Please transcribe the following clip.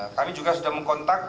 kami juga sudah mengontak